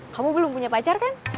kamu belum punya pacar kan